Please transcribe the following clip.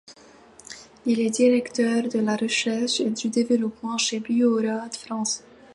Il est directeur de la recherche et du développement chez Bio-Rad France.